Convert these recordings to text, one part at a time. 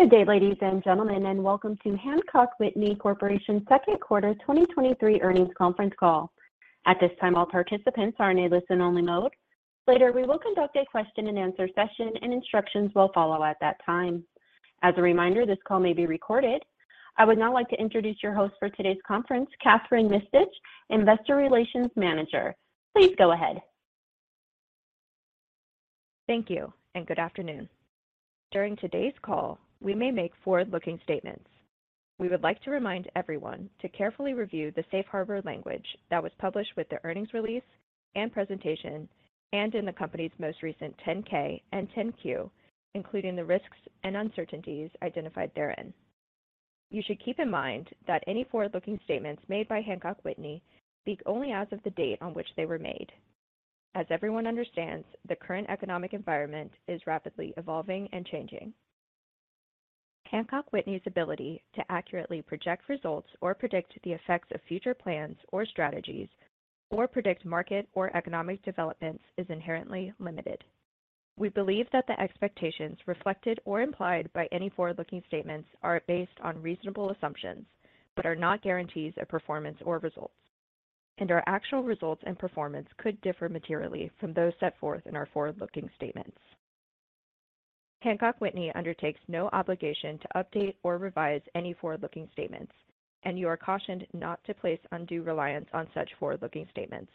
Good day, ladies and gentlemen, welcome to Hancock Whitney Corporation's second quarter 2023 earnings conference call. At this time, all participants are in a listen-only mode. Later, we will conduct a question-and-answer session, instructions will follow at that time. As a reminder, this call may be recorded. I would now like to introduce your host for today's conference, Kathryn Mistich, Investor Relations Manager. Please go ahead. Thank you, good afternoon. During today's call, we may make forward-looking statements. We would like to remind everyone to carefully review the safe harbor language that was published with the earnings release and presentation, in the company's most recent Form 10-K and Form 10-Q, including the risks and uncertainties identified therein. You should keep in mind that any forward-looking statements made by Hancock Whitney speak only as of the date on which they were made. As everyone understands, the current economic environment is rapidly evolving and changing. Hancock Whitney's ability to accurately project results or predict the effects of future plans or strategies or predict market or economic developments is inherently limited. We believe that the expectations reflected or implied by any forward-looking statements are based on reasonable assumptions, but are not guarantees of performance or results, and our actual results and performance could differ materially from those set forth in our forward-looking statements. Hancock Whitney undertakes no obligation to update or revise any forward-looking statements, and you are cautioned not to place undue reliance on such forward-looking statements.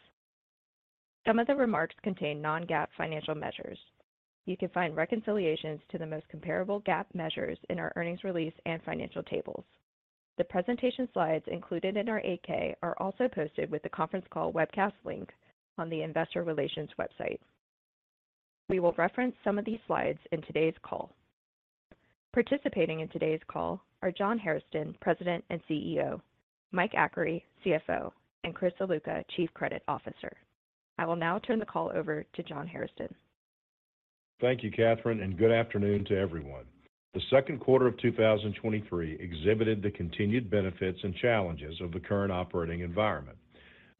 Some of the remarks contain non-GAAP financial measures. You can find reconciliations to the most comparable GAAP measures in our earnings release and financial tables. The presentation slides included in our 8-K are also posted with the conference call webcast link on the investor relations website. We will reference some of these slides in today's call. Participating in today's call are John M. Hairston, President and CEO, Michael M. Achary, CFO, and Christopher S. Ziluca, Chief Credit Officer. I will now turn the call over to John M. Hairston. Thank you, Kathryn. Good afternoon to everyone. The second quarter of 2023 exhibited the continued benefits and challenges of the current operating environment.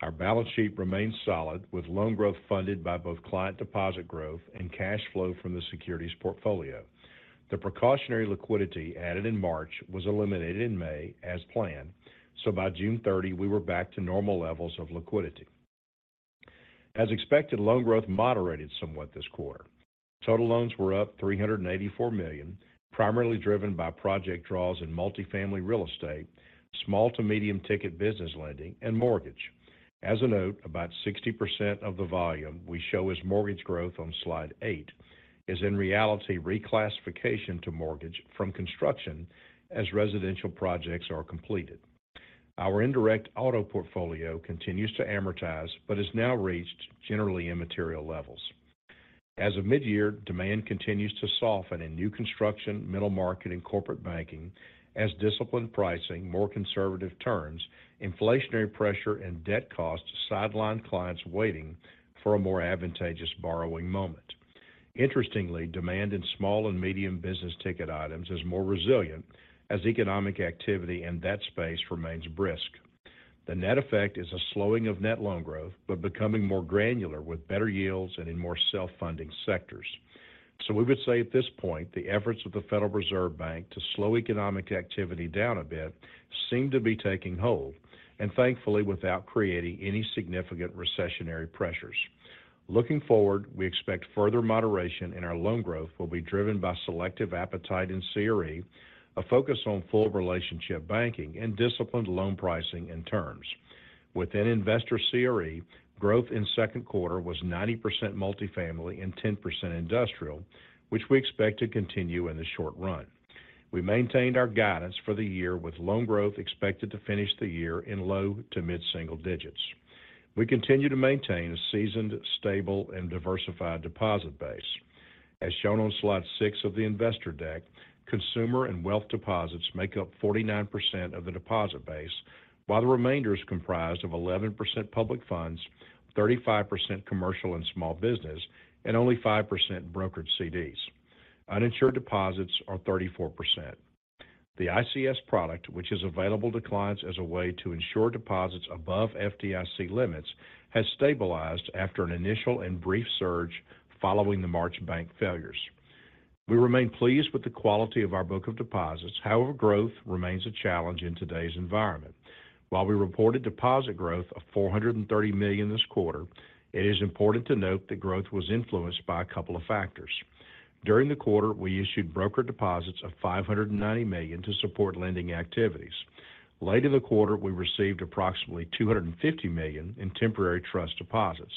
Our balance sheet remains solid, with loan growth funded by both client deposit growth and cash flow from the securities portfolio. The precautionary liquidity added in March was eliminated in May as planned. By June 30, we were back to normal levels of liquidity. As expected, loan growth moderated somewhat this quarter. Total loans were up $384 million, primarily driven by project draws in multifamily real estate, small to medium ticket business lending, and mortgage. As a note, about 60% of the volume we show as mortgage growth on Slide 8 is in reality reclassification to mortgage from construction as residential projects are completed. Our indirect auto portfolio continues to amortize, has now reached generally immaterial levels. As of mid-year, demand continues to soften in new construction, middle market, and corporate banking as disciplined pricing, more conservative terms, inflationary pressure and debt costs sideline clients waiting for a more advantageous borrowing moment. Interestingly, demand in small and medium business ticket items is more resilient as economic activity in that space remains brisk. The net effect is a slowing of net loan growth, but becoming more granular with better yields and in more self-funding sectors. We would say at this point, the efforts of the Federal Reserve Bank to slow economic activity down a bit seem to be taking hold, and thankfully, without creating any significant recessionary pressures. Looking forward, we expect further moderation in our loan growth will be driven by selective appetite in CRE, a focus on full relationship banking and disciplined loan pricing and terms. Within investor CRE, growth in second quarter was 90% multifamily and 10% industrial, which we expect to continue in the short run. We maintained our guidance for the year, with loan growth expected to finish the year in low to mid-single digits. We continue to maintain a seasoned, stable and diversified deposit base. As shown on Slide 6 of the investor deck, consumer and wealth deposits make up 49% of the deposit base, while the remainder is comprised of 11% public funds, 35% commercial and small business, and only 5% brokered CDs. Uninsured deposits are 34%. The ICS product, which is available to clients as a way to ensure deposits above FDIC limits, has stabilized after an initial and brief surge following the March bank failures. We remain pleased with the quality of our book of deposits. Growth remains a challenge in today's environment. While we reported deposit growth of $430 million this quarter, it is important to note that growth was influenced by a couple of factors. During the quarter, we issued broker deposits of $590 million to support lending activities. Late in the quarter, we received approximately $250 million in temporary trust deposits.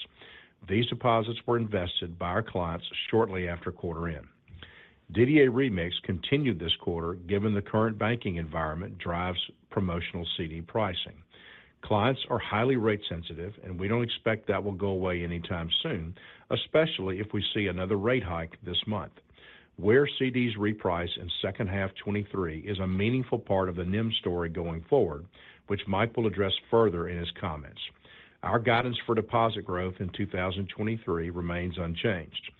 These deposits were invested by our clients shortly after quarter end. DDA remix continued this quarter, given the current banking environment drives promotional CD pricing. Clients are highly rate sensitive, we don't expect that will go away anytime soon, especially if we see another rate hike this month. Where CDs reprice in second half 2023 is a meaningful part of the NIM story going forward, which Mike will address further in his comments. Our guidance for deposit growth in 2023 remains unchanged.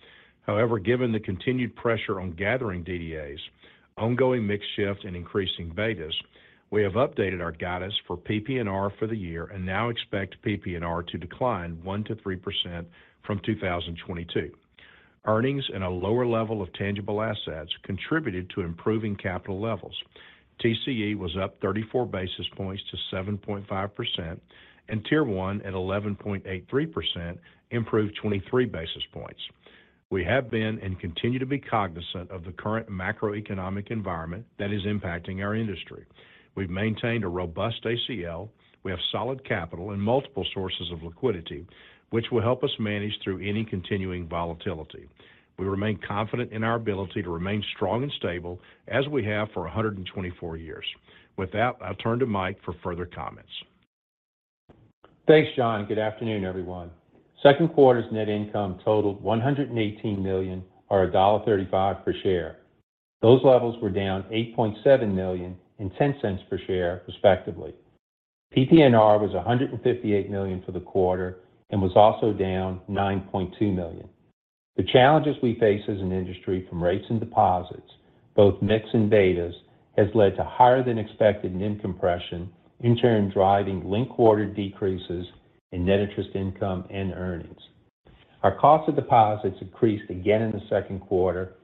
However, given the continued pressure on gathering DDAs, ongoing mix shift and increasing betas, we have updated our guidance for PPNR for the year and now expect PPNR to decline 1% to 3% from 2022. earnings and a lower level of tangible assets contributed to improving capital levels. TCE was up 34 basis points to 7.5%, and Tier 1 at 11.83% improved 23 basis points. We have been and continue to be cognizant of the current macroeconomic environment that is impacting our industry. We've maintained a robust ACL, we have solid capital and multiple sources of liquidity, which will help us manage through any continuing volatility. We remain confident in our ability to remain strong and stable as we have for 124 years. With that, I'll turn to Mike for further comments. Thanks, John. Good afternoon, everyone. Second quarter's net income totaled $118 million or $1.35 per share. Those levels were down $8.7 million and $0.10 per share, respectively. PPNR was $158 million for the quarter and was also down $9.2 million. The challenges we face as an industry from rates and deposits, both mix and betas, has led to higher than expected NIM compression, in turn driving linked quarter decreases in net interest income and earnings. Our cost of deposits increased again in the second quarter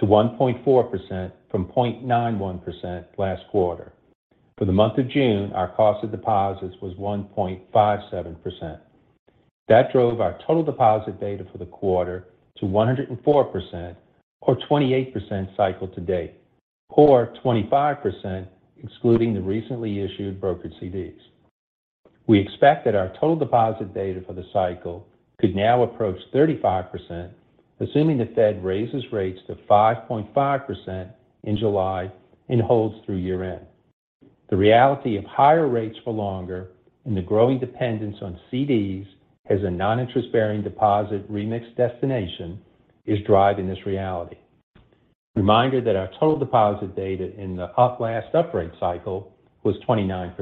to 1.4% from 0.91% last quarter. For the month of June, our cost of deposits was 1.57%. That drove our total deposit beta for the quarter to 104% or 28% cycle to date, or 25%, excluding the recently issued brokered CDs. We expect that our total deposit data for the cycle could now approach 35%, assuming the Fed raises rates to 5.5% in July and holds through year-end. The reality of higher rates for longer and the growing dependence on CDs as a non-interest-bearing deposit remix destination is driving this reality. Reminder that our total deposit data in the up last uprate cycle was 29%.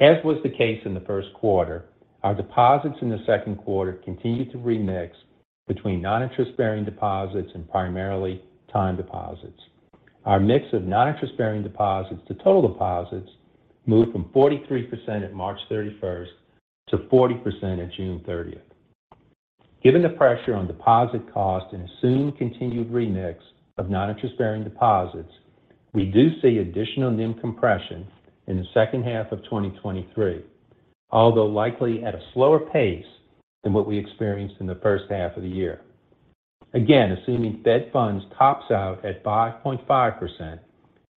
As was the case in the first quarter, our deposits in the second quarter continued to remix between non-interest-bearing deposits and primarily time deposits. Our mix of non-interest-bearing deposits to total deposits moved from 43% at March 31st to 40% at June 30th. Given the pressure on deposit cost and assumed continued remix of Non-Interest-Bearing deposits, we do see additional NIM compression in the second half of 2023, although likely at a slower pace than what we experienced in the first half of the year. Assuming Fed funds tops out at 5.5%,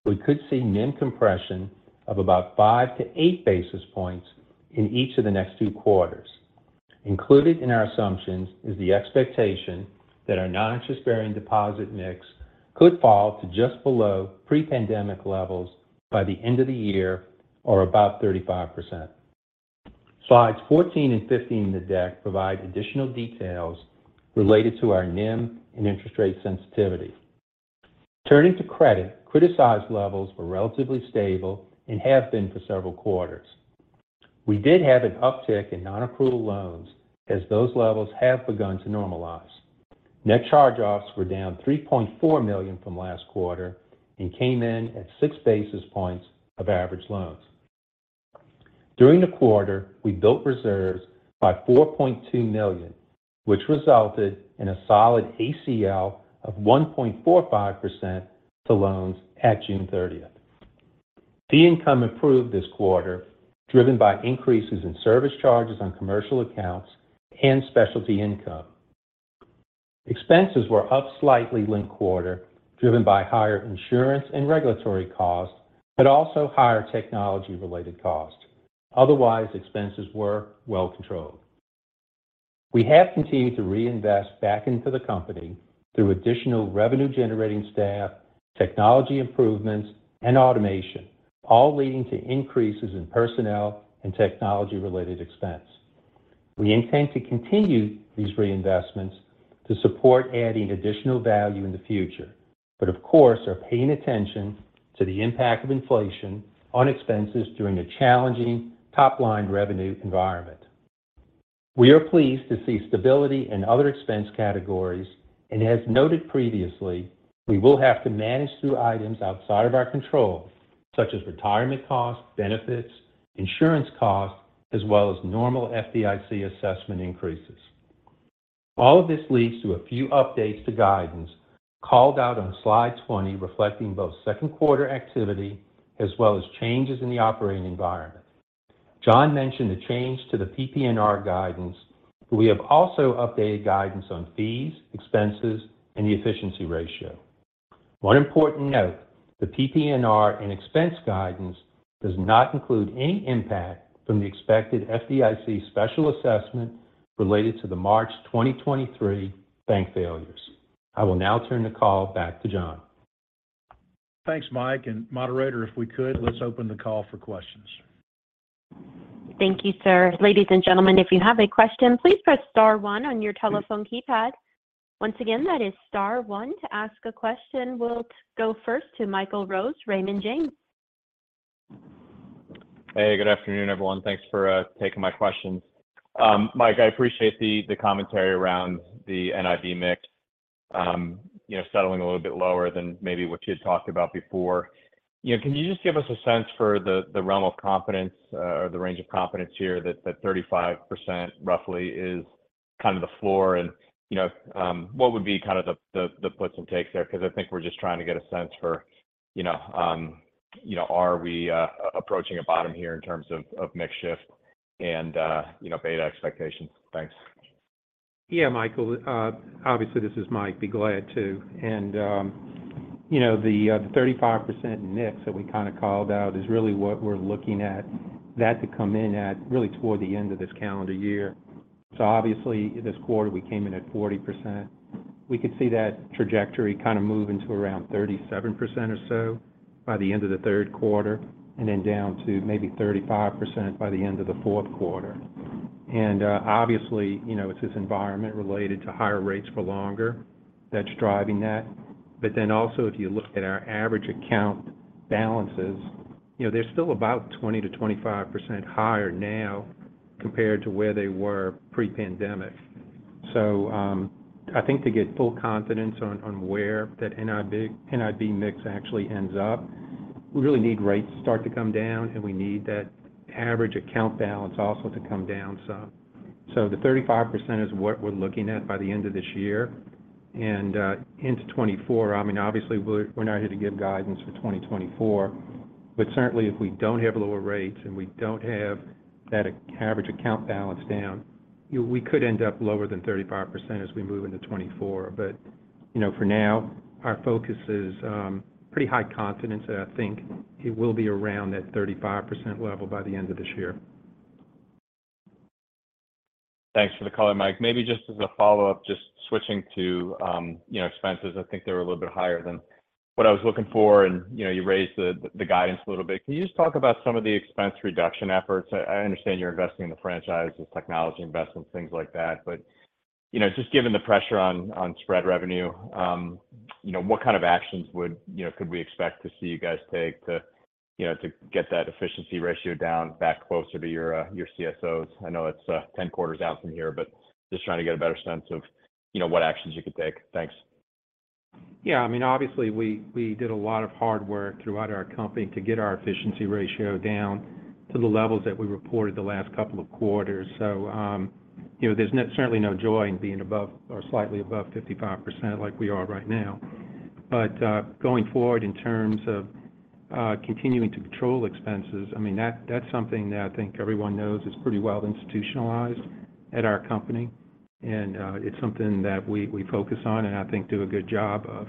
we could see NIM compression of about 5 basis points to 8 basis points in each of the next two quarters. Included in our assumptions is the expectation that our Non-Interest-Bearing deposit mix could fall to just below pre-pandemic levels by the end of the year or about 35%. Slides 14 and 15 in the deck provide additional details related to our NIM and interest rate sensitivity. Turning to credit, criticized levels were relatively stable and have been for several quarters. We did have an uptick in non-approval loans as those levels have begun to normalize. Net charge-offs were down $3.4 million from last quarter and came in at 6 basis points of average loans. During the quarter, we built reserves by $4.2 million, which resulted in a solid ACL of 1.45% to loans at June 30th. Fee income improved this quarter, driven by increases in service charges on commercial accounts and specialty income. Expenses were up slightly linked quarter, driven by higher insurance and regulatory costs, but also higher technology-related costs. Otherwise, expenses were well controlled. We have continued to reinvest back into the company through additional revenue generating staff, technology improvements, and automation, all leading to increases in personnel and technology-related expense. We intend to continue these reinvestments to support adding additional value in the future, but of course, are paying attention to the impact of inflation on expenses during a challenging top-line revenue environment. We are pleased to see stability in other expense categories, as noted previously, we will have to manage through items outside of our control, such as retirement costs, benefits, insurance costs, as well as normal FDIC assessment increases. All of this leads to a few updates to guidance called out on Slide 20, reflecting both second quarter activity as well as changes in the operating environment. John mentioned the change to the PPNR guidance, we have also updated guidance on fees, expenses, and the efficiency ratio. One important note, the PPNR and expense guidance does not include any impact from the expected FDIC special assessment related to the March 2023 bank failures. I will now turn the call back to John. Thanks, Mike, and moderator, if we could, let's open the call for questions. Thank you, sir. Ladies and gentlemen, if you have a question, please press star one on your telephone keypad. Once again, that is star one to ask a question. We'll go first to Michael Rose, Raymond James. Hey, good afternoon, everyone. Thanks for taking my questions. Mike, I appreciate the commentary around the NIB mix. You know, settling a little bit lower than maybe what you had talked about before. You know, can you just give us a sense for the realm of confidence or the range of confidence here that 35%, roughly, is kind of the floor? You know, what would be kind of the puts and takes there? I think we're just trying to get a sense for, you know, are we approaching a bottom here in terms of mix shift and, you know, beta expectations? Thanks. Michael, obviously, this is Mike, be glad to. you know, the 35% mix that we kind of called out is really what we're looking at, that to come in at really toward the end of this calendar year. obviously, this quarter, we came in at 40%. We could see that trajectory kind of moving to around 37% or so by the end of the third quarter, then down to maybe 35% by the end of the fourth quarter. obviously, you know, it's this environment related to higher rates for longer that's driving that. also, if you look at our average account balances, you know, they're still about 20% to 25% higher now compared to where they were pre-pandemic. I think to get full confidence on where that NIB mix actually ends up, we really need rates to start to come down, and we need that average account balance also to come down some. The 35% is what we're looking at by the end of this year. Into 2024, I mean, obviously, we're not here to give guidance for 2024, but certainly, if we don't have lower rates and we don't have that average account balance down, we could end up lower than 35% as we move into 2024. You know, for now, our focus is pretty high confidence, and I think it will be around that 35% level by the end of this year. Thanks for the call, Mike. Maybe just as a follow-up, just switching to, you know, expenses, I think they were a little bit higher than what I was looking for, and, you know, you raised the guidance a little bit. Can you just talk about some of the expense reduction efforts? I understand you're investing in the franchise, this technology investment, things like that, but, you know, just given the pressure on spread revenue, you know, what kind of actions you know, could we expect to see you guys take to, you know, to get that efficiency ratio down, back closer to your goals? I know it's 10 quarters out from here, but just trying to get a better sense of, you know, what actions you could take. Thanks. I mean, obviously, we did a lot of hard work throughout our company to get our efficiency ratio down to the levels that we reported the last couple of quarters. You know, there's certainly no joy in being above or slightly above 55% like we are right now. Going forward, in terms of continuing to control expenses, I mean, that's something that I think everyone knows is pretty well institutionalized at our company, and it's something that we focus on and I think do a good job of.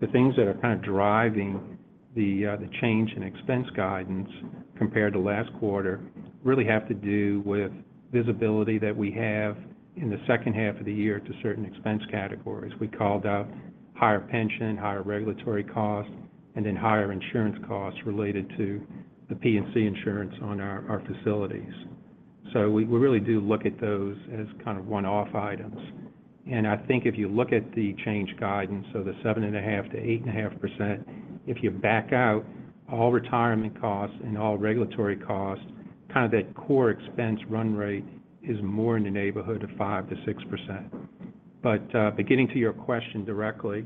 The things that are kind of driving the change in expense guidance compared to last quarter, really have to do with visibility that we have in the second half of the year to certain expense categories. We called out higher pension, higher regulatory costs, and then higher insurance costs related to the P&C insurance on our facilities. We really do look at those as kind of one-off items. I think if you look at the change guidance, so the 7.5% to 8.5%, if you back out all retirement costs and all regulatory costs, kind of that core expense run rate is more in the neighborhood of 5% to 6%. Getting to your question directly,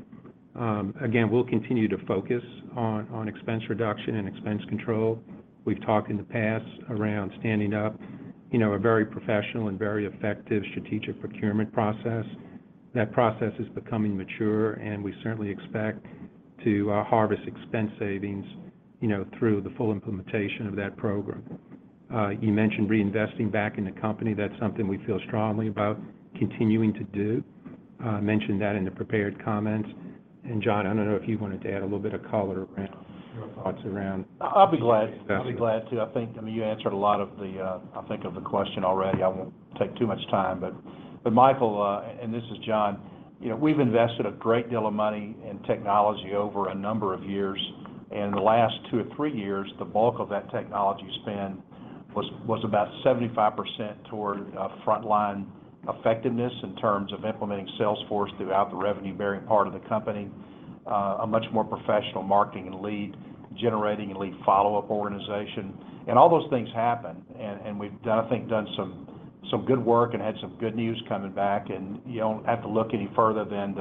again, we'll continue to focus on expense reduction and expense control. We've talked in the past around standing up, you know, a very professional and very effective strategic procurement process. That process is becoming mature, and we certainly expect to harvest expense savings, you know, through the full implementation of that program. You mentioned reinvesting back in the company. That's something we feel strongly about continuing to do. I mentioned that in the prepared comments. John, I don't know if you wanted to add a little bit of color around your thoughts. I'll be glad. I'll be glad to. I think, I mean, you answered a lot of the, I think of the question already. I won't take too much time. Michael, and this is John, you know, we've invested a great deal of money in technology over a number of years. The last two or three years, the bulk of that technology spend was about 75% toward frontline effectiveness in terms of implementing Salesforce throughout the revenue-bearing part of the company, a much more professional marketing and lead-generating and lead follow-up organization. All those things happened, and we've done, I think, done some good work and had some good news coming back. You don't have to look any further than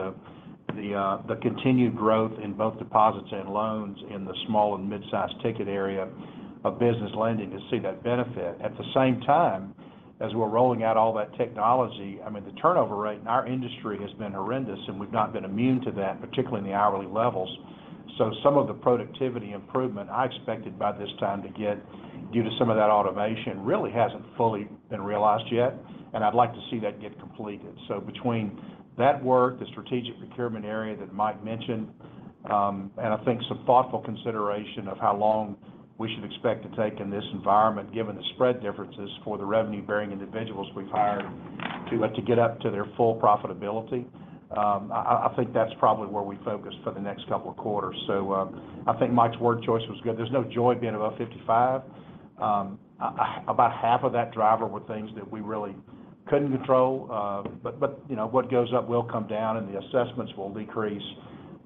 the continued growth in both deposits and loans in the small and mid-sized ticket area of business lending to see that benefit. At the same time, as we're rolling out all that technology, I mean, the turnover rate in our industry has been horrendous, and we've not been immune to that, particularly in the hourly levels. Some of the productivity improvement I expected by this time to get, due to some of that automation, really hasn't fully been realized yet, and I'd like to see that get completed. Between that work, the strategic procurement area that Mike mentioned, and I think some thoughtful consideration of how long we should expect to take in this environment, given the spread differences for the revenue-bearing individuals we've hired, to get up to their full profitability, I think that's probably where we focus for the next couple of quarters. I think Mike's word choice was good. There's no joy being above 55. About half of that driver were things that we really couldn't control. But, you know, what goes up will come down, and the assessments will decrease.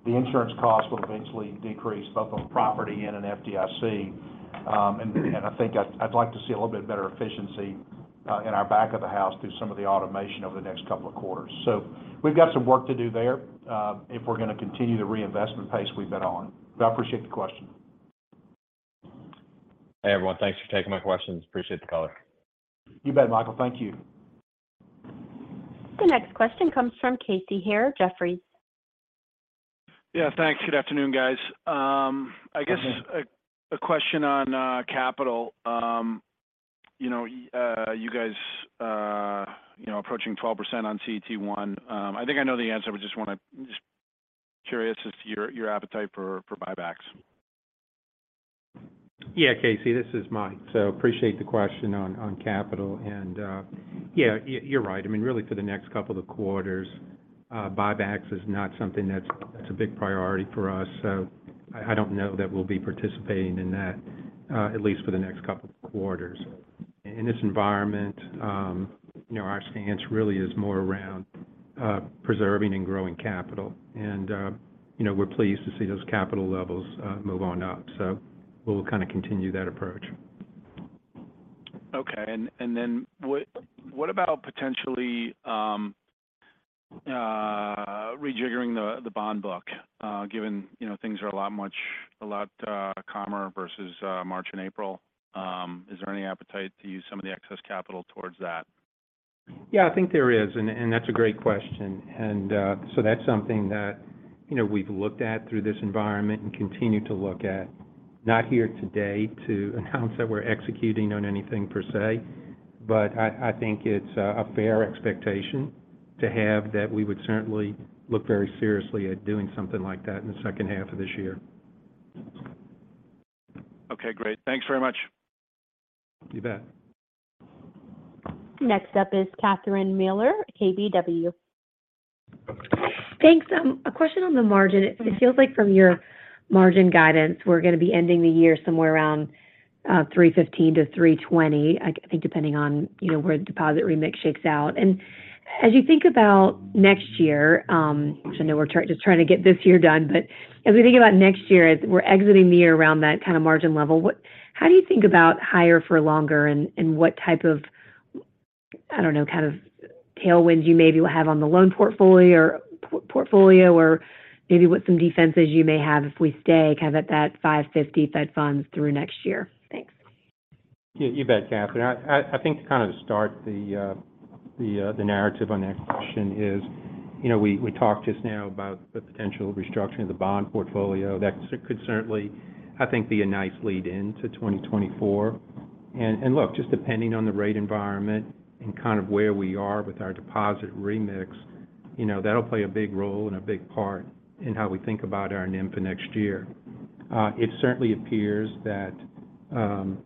The insurance costs will eventually decrease both on property and in FDIC. I think I'd like to see a little bit better efficiency in our back of the house through some of the automation over the next couple of quarters. We've got some work to do there if we're going to continue the reinvestment pace we've been on. I appreciate the question. Hey, everyone. Thanks for taking my questions. Appreciate the call. You bet, Michael. Thank you. The next question comes from Casey Haire, Jefferies. Yeah, thanks. Good afternoon, guys. Good afternoon. a question on capital. You know, you guys, you know, approaching 12% on CET1. I think I know the answer, but just curious as to your appetite for buybacks. Yeah, Casey, this is Mike. Appreciate the question on capital and you're right. I mean, really, for the next couple of quarters, buybacks is not something that's a big priority for us. I don't know that we'll be participating in that, at least for the next couple of quarters. In this environment, you know, our stance really is more around preserving and growing capital. You know, we're pleased to see those capital levels move on up. We'll kind of continue that approach. Okay. What, what about potentially rejiggering the bond book? Given, you know, things are a lot calmer versus March and April. Is there any appetite to use some of the excess capital towards that? Yeah, I think there is. That's a great question. That's something that, you know, we've looked at through this environment and continue to look at. Not here today to announce that we're executing on anything per se, but I think it's a fair expectation to have that we would certainly look very seriously at doing something like that in the second half of this year. Okay, great. Thanks very much. You bet. Next up is Catherine Mealor, KBW. Thanks. A question on the margin. It feels like from your margin guidance, we're going to be ending the year somewhere around 3.15% to 3.20%, I think, depending on, you know, where the deposit remix shakes out. As you think about next year, which I know just trying to get this year done, but as we think about next year, as we're exiting the year around that kind of margin level, how do you think about higher for longer? What type of, I don't know, kind of tailwinds you maybe will have on the loan portfolio or portfolio, or maybe what some defenses you may have if we stay kind of at that 5.50% Fed funds through next year? Thanks. Yeah, you bet, Catherine. I think to kind of start the narrative on that question is, you know, we talked just now about the potential restructuring of the bond portfolio. That could certainly, I think, be a nice lead in to 2024. Look, just depending on the rate environment and kind of where we are with our deposit remix, you know, that'll play a big role and a big part in how we think about our NIM for next year. It certainly appears that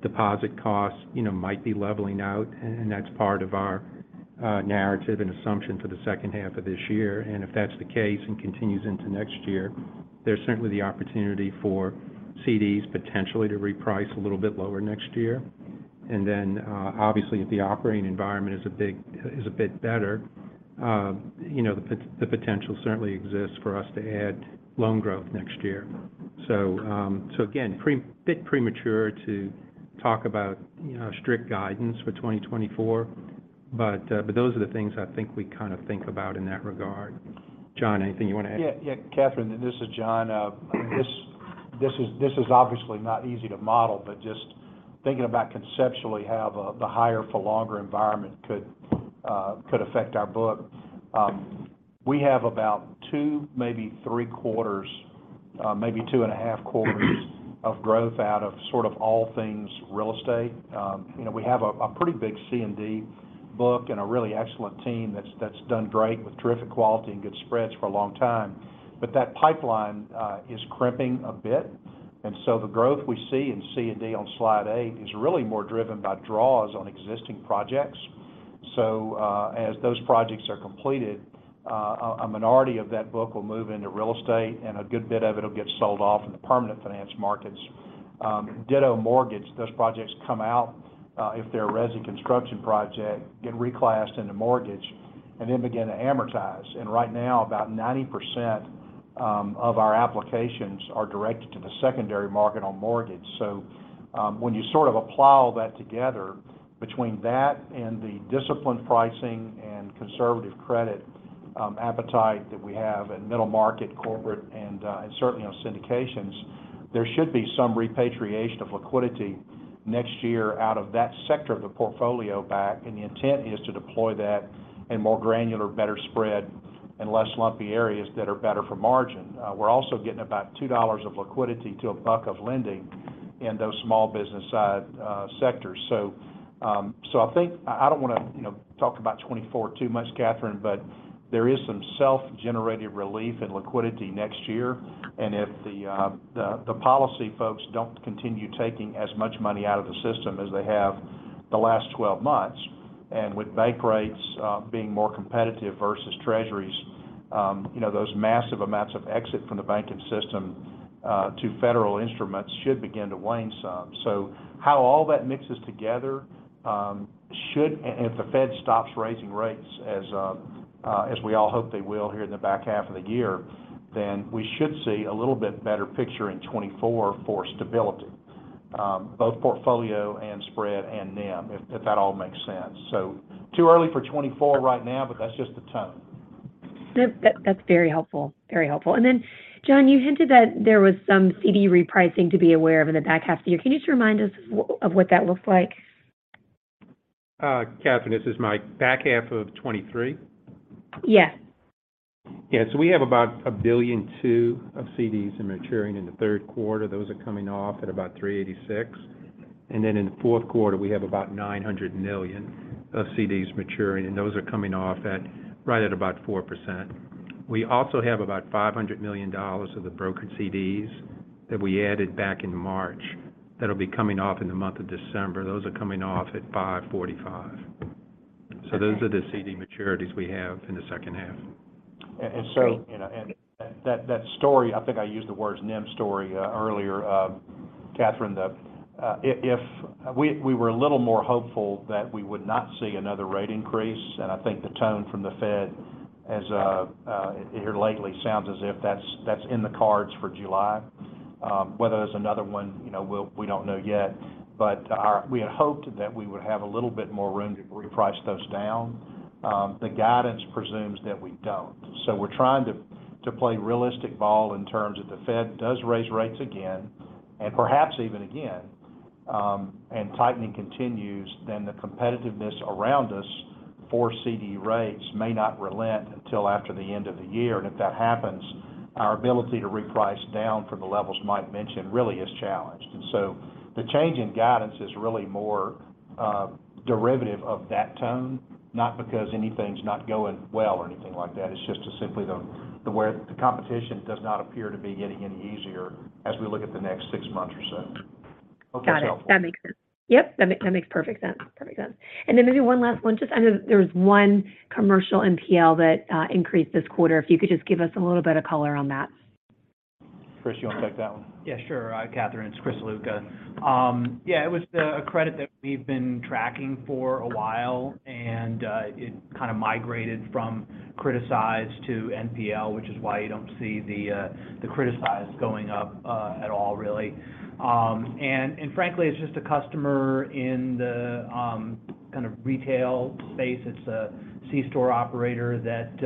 deposit costs, you know, might be leveling out, and that's part of our narrative and assumption for the second half of this year. If that's the case and continues into next year, there's certainly the opportunity for CDs potentially to reprice a little bit lower next year. Obviously, if the operating environment is a bit better, you know, the potential certainly exists for us to add loan growth next year. Again, bit premature to talk about, you know, strict guidance for 2024, but those are the things I think we kind of think about in that regard. John, anything you want to add? Yeah, yeah, Catherine, this is John. This is obviously not easy to model, but just thinking about conceptually how the higher for longer environment could affect our book. We have about one, maybe three quarters, maybe 2.5 quarters of growth out of sort of all things real estate. You know, we have a pretty big C&D book and a really excellent team that's done great with terrific quality and good spreads for a long time. That pipeline is crimping a bit, the growth we see in C&D on slide A is really more driven by draws on existing projects. As those projects are completed, a minority of that book will move into real estate, and a good bit of it will get sold off in the permanent finance markets. Ditto mortgage, those projects come out, if they're a resi construction project, get reclassed into mortgage, and then begin to amortize. Right now, about 90% of our applications are directed to the secondary market on mortgage. When you sort of apply all that together, between that and the disciplined pricing and conservative credit appetite that we have in middle market, corporate, and certainly on syndications, there should be some repatriation of liquidity next year out of that sector of the portfolio back, and the intent is to deploy that in more granular, better spread, and less lumpy areas that are better for margin. We're also getting about $2 of liquidity to $1 of lending in those small business side sectors. I don't want to, you know, talk about 2024 too much, Catherine, there is some self-generated relief in liquidity next year. If the, the policy folks don't continue taking as much money out of the system as they have the last 12 months, with bank rates, you know, being more competitive versus treasuries, those massive amounts of exit from the banking system to Federal instruments should begin to wane some. How all that mixes together, should, and if the Fed stops raising rates as we all hope they will here in the back half of the year, then we should see a little bit better picture in 2024 for stability, both portfolio and spread and NIM, if that all makes sense. Too early for 2024 right now, but that's just the tone. That's very helpful. Very helpful. Then, John, you hinted that there was some CD repricing to be aware of in the back half of the year. Can you just remind us what that looks like? Catherine, this is Mike. Back half of 2023? Yes. Yeah, we have about $1.2 billion of CDs are maturing in the third quarter. Those are coming off at about 3.86%. In the fourth quarter, we have about $900 million of CDs maturing, and those are coming off at right at about 4%. We also have about $500 million of the brokered CDs that we added back in March that'll be coming off in the month of December. Those are coming off at 5.45%. Okay. Those are the CD maturities we have in the second half. You know, and that story, I think I used the words NIM story earlier, Catherine. If we were a little more hopeful that we would not see another rate increase, and I think the tone from the Fed as here lately, sounds as if that's in the cards for July. Whether there's another one, you know, we don't know yet, but we had hoped that we would have a little bit more room to reprice those down. The guidance presumes that we don't. We're trying to play realistic ball in terms of the Fed does raise rates again, and perhaps even again, and tightening continues, then the competitiveness around us for CD rates may not relent until after the end of the year. If that happens, our ability to reprice down from the levels Mike mentioned really is challenged. The change in guidance is really more derivative of that tone, not because anything's not going well or anything like that. It's just simply the competition does not appear to be getting any easier as we look at the next six months or so. Got it. Hope that's helpful. That makes sense. Yep, that makes perfect sense. Perfect sense. Then maybe one last one. Just I know there was one commercial NPL that increased this quarter. If you could just give us a little bit of color on that. Chris, you want to take that one? Yeah, sure. Catherine, it's Christopher S. Ziluca. Yeah, it was a credit that we've been tracking for a while, it kind of migrated from criticized to NPL, which is why you don't see the criticized going up at all, really. Frankly, it's just a customer in the kind of retail space. It's a C-store operator that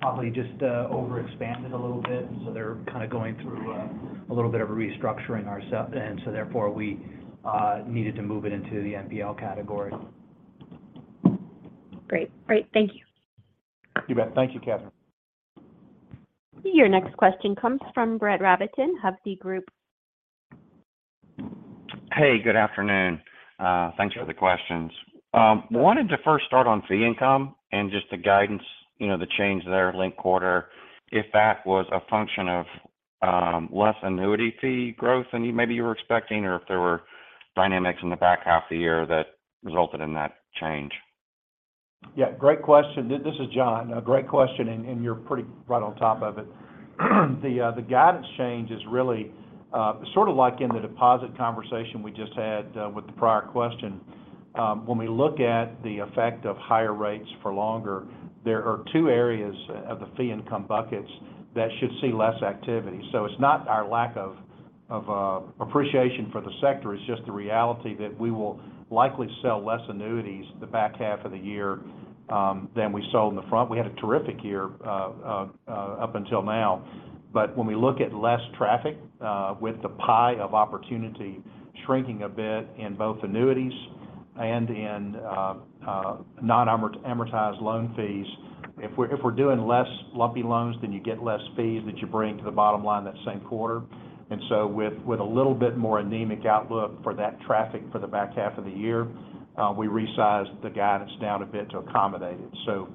probably just overexpanded a little bit, so they're kind of going through a little bit of a restructuring. Therefore, we needed to move it into the NPL category. Great. Great, thank you. You bet. Thank you, Catherine. Your next question comes from Brett Rabatin of Hovde Group. Hey, good afternoon. Thanks for the questions. Wanted to first start on fee income and just the guidance, you know, the change there linked quarter, if that was a function of less annuity fee growth than you were expecting, or if there were dynamics in the back half of the year that resulted in that change? Yeah, great question. This is John. A great question, and you're pretty right on top of it. The guidance change is really sort of like in the deposit conversation we just had with the prior question. When we look at the effect of higher rates for longer, there are two areas of the fee income buckets that should see less activity. It's not our lack of appreciation for the sector, it's just the reality that we will likely sell less annuities the back half of the year than we sold in the front. We had a terrific year up until now. When we look at less traffic, with the pie of opportunity shrinking a bit in both annuities and in amortized loan fees, if we're doing less lumpy loans, then you get less fees that you bring to the bottom line that same quarter. With a little bit more anemic outlook for that traffic for the back half of the year, we resized the guidance down a bit to accommodate it.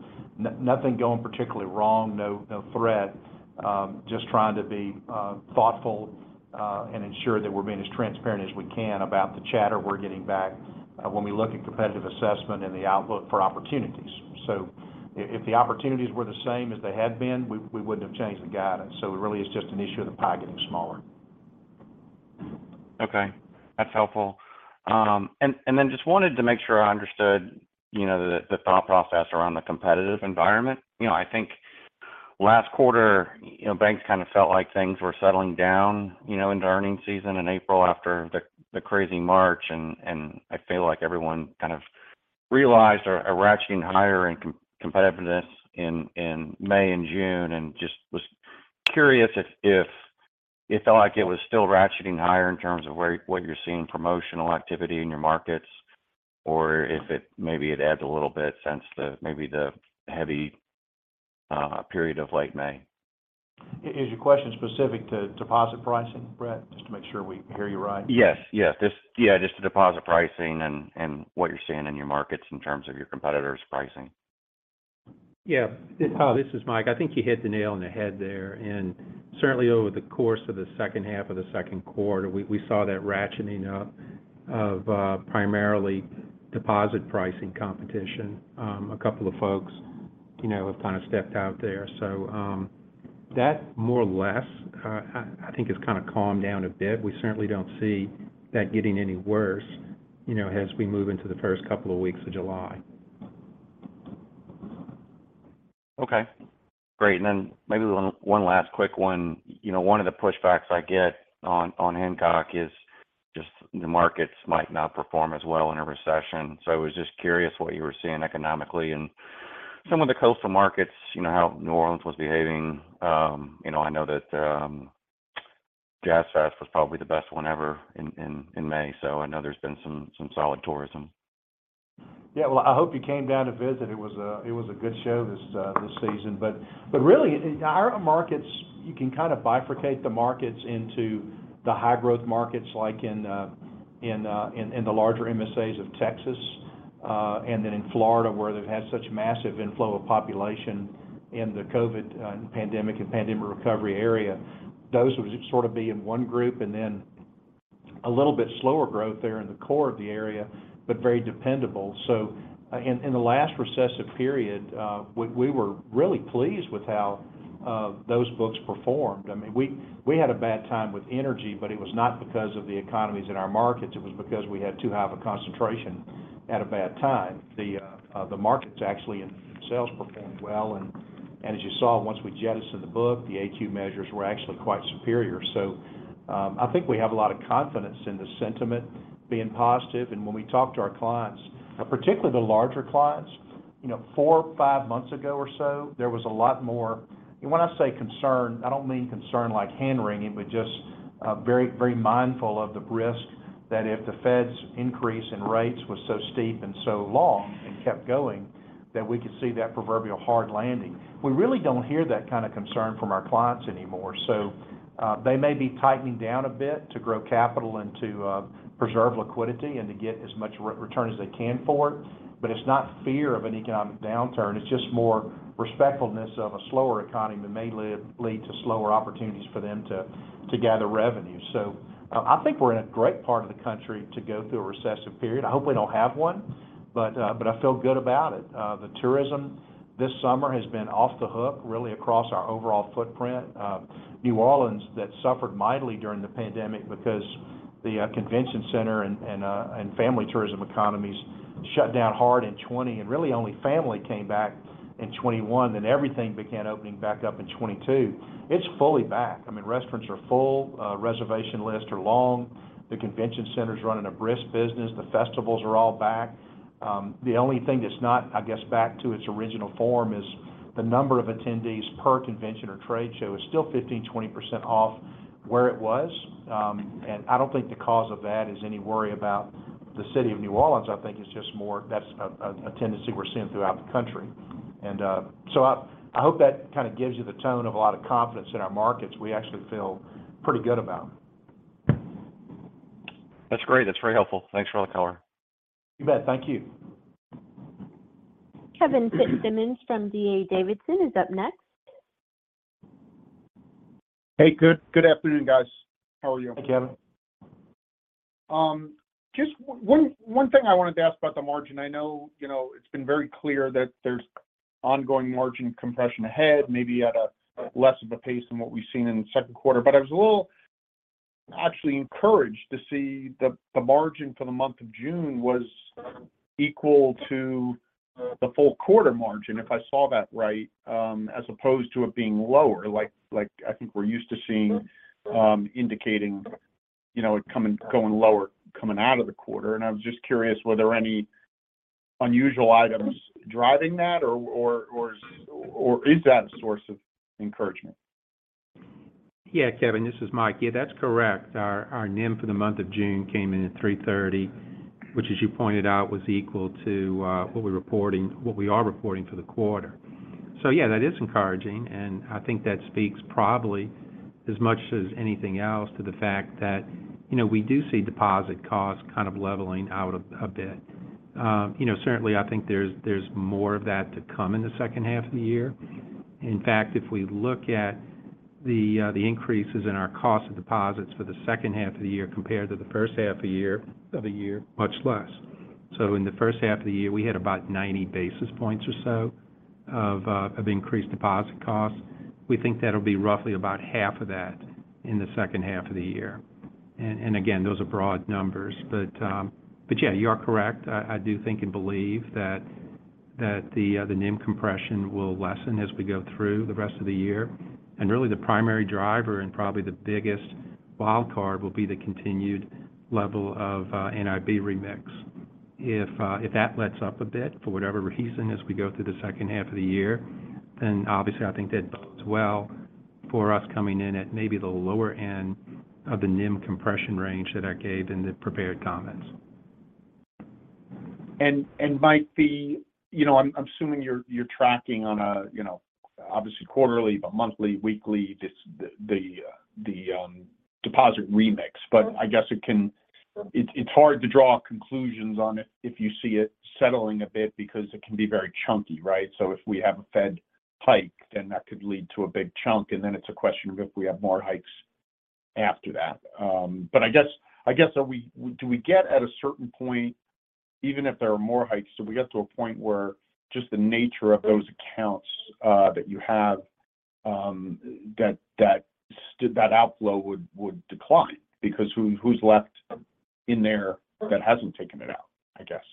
Nothing going particularly wrong, no threat. Just trying to be thoughtful and ensure that we're being as transparent as we can about the chatter we're getting back when we look at competitive assessment and the outlook for opportunities. If the opportunities were the same as they had been, we wouldn't have changed the guidance. It really is just an issue of the pie getting smaller. Okay, that's helpful. Then just wanted to make sure I understood, you know, the thought process around the competitive environment. You know, I think last quarter, you know, banks kind of felt like things were settling down, you know, into earnings season in April after the crazy March, and I feel like everyone kind of realized a ratcheting higher in competitiveness in May and June. Just was curious if it felt like it was still ratcheting higher in terms of where, what you're seeing promotional activity in your markets, or if it maybe it ebbed a little bit since maybe the heavy period of late May? Is your question specific to deposit pricing, Brett? Just to make sure we hear you right. Yes, yes. Yeah, just the deposit pricing and what you're seeing in your markets in terms of your competitors' pricing. Yeah. This is Mike. I think you hit the nail on the head there, and certainly over the course of the second half of the second quarter, we saw that ratcheting up of, primarily deposit pricing competition. A couple of folks.... you know, have kind of stepped out there. That more or less, I think, has kind of calmed down a bit. We certainly don't see that getting any worse, you know, as we move into the first couple of weeks of July. Okay, great. Then maybe one last quick one. You know, one of the pushbacks I get on Hancock is just the markets might not perform as well in a recession. I was just curious what you were seeing economically in some of the coastal markets, you know, how New Orleans was behaving. You know, I know that Jazz Fest was probably the best one ever in May, I know there's been some solid tourism. Well, I hope you came down to visit. It was a good show this season. Really, our markets, you can kind of bifurcate the markets into the high-growth markets, like in the larger MSAs of Texas and then in Florida, where they've had such massive inflow of population in the COVID pandemic and pandemic recovery area. Those would sort of be in one group, and then a little bit slower growth there in the core of the area, but very dependable. In the last recessive period, we were really pleased with how those books performed. I mean, we had a bad time with energy, but it was not because of the economies in our markets. It was because we had too high of a concentration at a bad time. The markets actually and sales performed well, and as you saw, once we jettisoned the book, the AQ measures were actually quite superior. I think we have a lot of confidence in the sentiment being positive. When we talk to our clients, particularly the larger clients, you know, four, five months ago or so, there was a lot more, when I say concern, I don't mean concern like hand-wringing, but just very, very mindful of the risk that if the Fed's increase in rates was so steep and so long, and kept going, that we could see that proverbial hard landing. We really don't hear that kind of concern from our clients anymore. They may be tightening down a bit to grow capital and to preserve liquidity and to get as much re-return as they can for it, but it's not fear of an economic downturn. It's just more respectfulness of a slower economy that may lead to slower opportunities for them to gather revenue. I think we're in a great part of the country to go through a recessive period. I hope we don't have one, but I feel good about it. The tourism this summer has been off the hook, really, across our overall footprint. New Orleans, that suffered mightily during the pandemic because the convention center and family tourism economies shut down hard in 2020, and really, only family came back in 2021, then everything began opening back up in 2022. It's fully back. I mean, restaurants are full, reservation lists are long. The convention center's running a brisk business. The festivals are all back. The only thing that's not, I guess, back to its original form is the number of attendees per convention or trade show is still 15% to 20% off where it was. I don't think the cause of that is any worry about the city of New Orleans. I think it's just more that's a tendency we're seeing throughout the country. I hope that kind of gives you the tone of a lot of confidence in our markets we actually feel pretty good about. That's great. That's very helpful. Thanks for the color. You bet. Thank you. Kevin Fitzsimmons from D.A. Davidson is up next. Hey, good afternoon, guys. How are you? Hey, Kevin. Just one thing I wanted to ask about the margin. I know, you know, it's been very clear that there's ongoing margin compression ahead, maybe at a less of a pace than what we've seen in the second quarter. I was a little actually encouraged to see the margin for the month of June was equal to the full quarter margin, if I saw that right, as opposed to it being lower, like I think we're used to seeing, indicating, you know, it coming, going lower, coming out of the quarter. I was just curious, were there any unusual items driving that or is that a source of encouragement? Kevin, this is Mike. That's correct. Our NIM for the month of June came in at 3.30, which, as you pointed out, was equal to what we are reporting for the quarter. That is encouraging, and I think that speaks probably as much as anything else, to the fact that, you know, we do see deposit costs kind of leveling out a bit. You know, certainly, I think there's more of that to come in the second half of the year. In fact, if we look at the increases in our cost of deposits for the second half of the year compared to the first half of the year, much less. In the first half of the year, we had about 90 basis points or so of increased deposit costs. We think that'll be roughly about half of that in the second half of the year. Again, those are broad numbers, but yeah, you are correct. I do think and believe that the NIM compression will lessen as we go through the rest of the year. Really, the primary driver, and probably the biggest wildcard, will be the continued level of NIB remix. If that lets up a bit, for whatever reason, as we go through the second half of the year, then obviously I think that bodes well for us coming in at maybe the lower end of the NIM compression range that I gave in the prepared comments. Mike, you know, I'm assuming you're tracking on a, you know, obviously quarterly, but monthly, weekly, the deposit remix. I guess it's hard to draw conclusions on it if you see it settling a bit because it can be very chunky, right? If we have a Fed hike, then that could lead to a big chunk, and then it's a question of if we have more hikes after that. I guess do we get at a certain point, even if there are more hikes, do we get to a point where just the nature of those accounts that you have that outflow would decline? Because who's left in there that hasn't taken it out, I guess?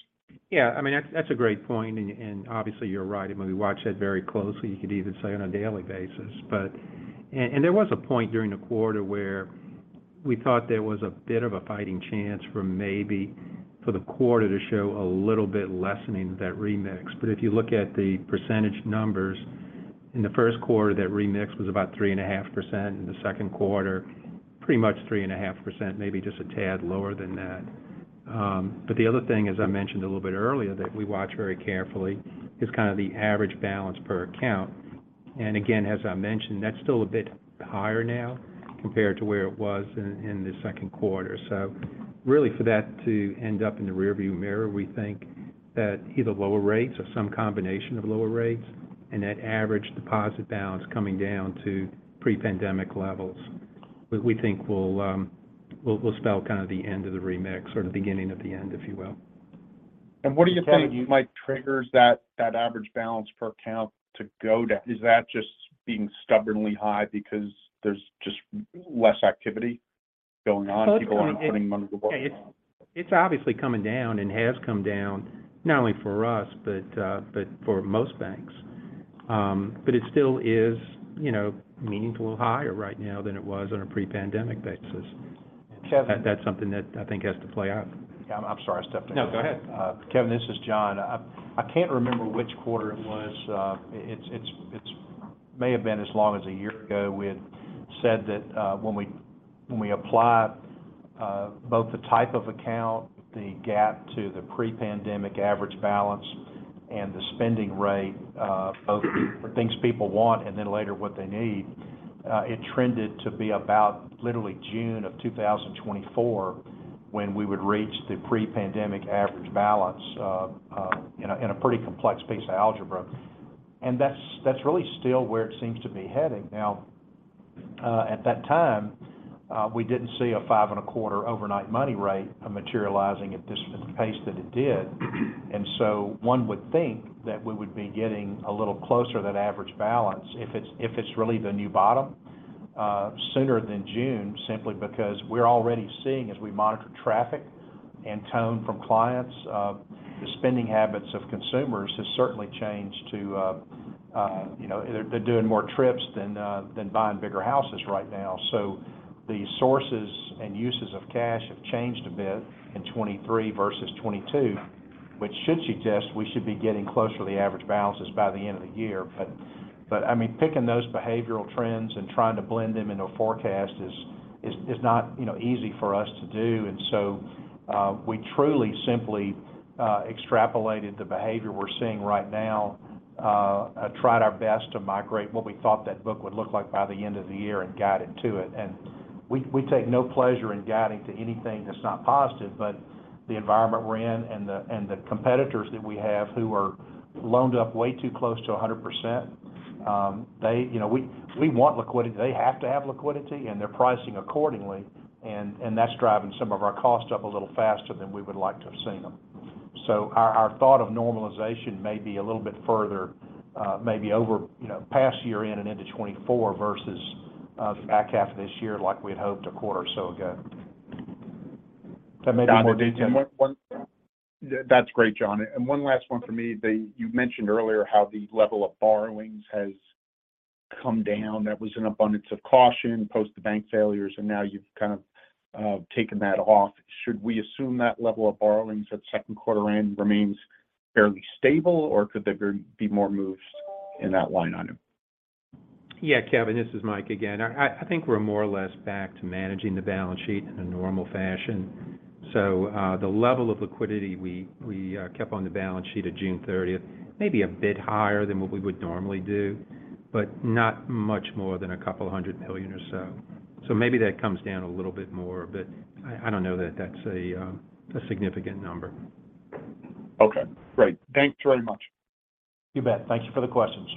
Yeah, I mean, that's a great point, and obviously, you're right. I mean, we watch that very closely. You could even say on a daily basis. There was a point during the quarter where we thought there was a bit of a fighting chance for the quarter to show a little bit lessening of that remix. If you look at the percentage numbers, in the 1st quarter, that remix was about 3.5%. In the second quarter, pretty much 3.5%, maybe just a tad lower than that. The other thing, as I mentioned a little bit earlier, that we watch very carefully, is kind of the average balance per account. Again, as I mentioned, that's still a bit higher now compared to where it was in the second quarter. Really, for that to end up in the rearview mirror, we think that either lower rates or some combination of lower rates and that average deposit balance coming down to pre-pandemic levels, we think will spell kind of the end of the remix or the beginning of the end, if you will. What do you think might trigger that average balance per account to go down? Is that just being stubbornly high because there's just less activity going on? People are putting money to work. It's obviously coming down and has come down not only for us, but for most banks. It still is, you know, meaningfully higher right now than it was on a pre-pandemic basis. Kevin- That's something that I think has to play out. Yeah, I'm sorry, I stepped in. No, go ahead. Kevin, this is John. I can't remember which quarter it was. It may have been as long as a year ago, we had said that when we apply both the type of account, the GAAP to the pre-pandemic average balance and the spending rate, both for things people want and then later what they need, it trended to be about literally June of 2024, when we would reach the pre-pandemic average balance, in a pretty complex piece of algebra. That's really still where it seems to be heading. Now, at that time, we didn't see a 5 and a quarter overnight money rate materializing at this pace that it did. One would think that we would be getting a little closer to that average balance if it's, if it's really the new bottom, sooner than June, simply because we're already seeing as we monitor traffic and tone from clients, the spending habits of consumers has certainly changed to, They're doing more trips than buying bigger houses right now. The sources and uses of cash have changed a bit in 2023 versus 2022, which should suggest we should be getting closer to the average balances by the end of the year. I mean, picking those behavioral trends and trying to blend them into a forecast is not, you know, easy for us to do. We truly simply, extrapolated the behavior we're seeing right now, tried our best to migrate what we thought that book would look like by the end of the year and guide it to it. We take no pleasure in guiding to anything that's not positive, but the environment we're in and the competitors that we have who are loaned up way too close to 100%. You know, we want liquidity. They have to have liquidity, and they're pricing accordingly, and that's driving some of our costs up a little faster than we would like to have seen them. Our thought of normalization may be a little bit further, maybe over, you know, past year-end and into 2024 versus, the back half of this year, like we'd hoped a quarter or so ago. That may be more detailed. That's great, John. One last one for me. You mentioned earlier how the level of borrowings has come down. That was an abundance of caution post the bank failures, and now you've kind of, taken that off. Should we assume that level of borrowings at second quarter end remains fairly stable, or could there be more moves in that line item? Kevin, this is Mike again. I think we're more or less back to managing the balance sheet in a normal fashion. The level of liquidity we kept on the balance sheet of June 30th, may be a bit higher than what we would normally do, but not much more than $200 million or so. Maybe that comes down a little bit more, but I don't know that that's a significant number. Okay, great. Thanks very much. You bet. Thank you for the questions.